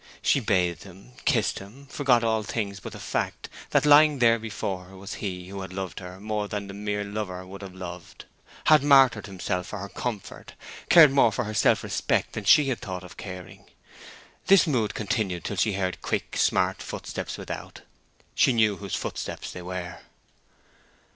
She bathed him, kissed him, forgot all things but the fact that lying there before her was he who had loved her more than the mere lover would have loved; had martyred himself for her comfort, cared more for her self respect than she had thought of caring. This mood continued till she heard quick, smart footsteps without; she knew whose footsteps they were.